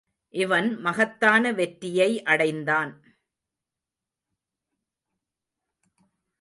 இவன் மகத்தான வெற்றியை அடைந்தான்.